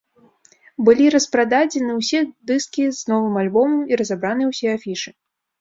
Былі распрададзены ўсе дыскі з новым альбомам і разабраны ўсе афішы.